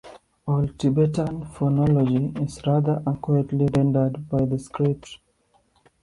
Old Tibetan phonology is rather accurately rendered by the script.